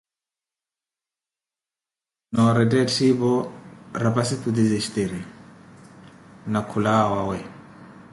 Noorettha etthipo rapasi khutizistiri, na khulawa owawe.